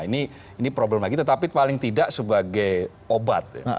nah ini problem kita tapi paling tidak sebagai obat